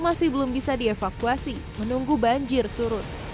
masih belum bisa dievakuasi menunggu banjir surut